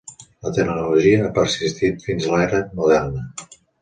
La tecnologia ha persistit fins a l'era moderna.